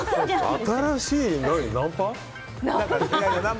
新しいナンパ？